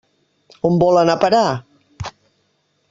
On vol anar a parar?